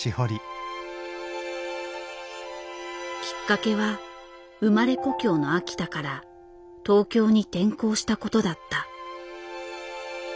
きっかけは生まれ故郷の秋田から東京に転校したことだった。